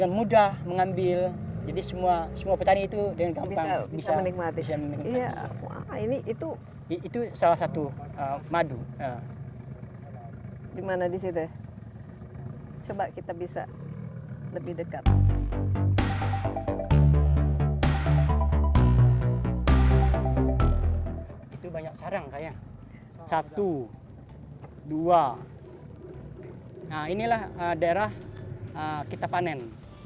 nah inilah daerah kita panen